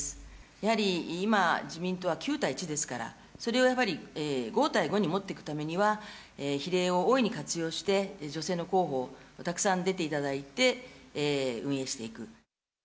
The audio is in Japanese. やはり今、自民党は９対１ですから、それをやはり、５対５に持っていくためには、比例を大いに活用して、女性の候補、たくさん出ていただいて、運営していく。